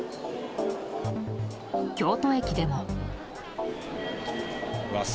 京都駅でも。